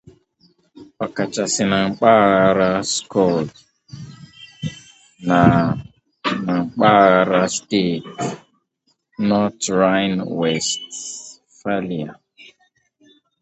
ọkachasị na mpaghara 'Schuld' na ná mpaghara steeti 'North Rhine-Westphalia'.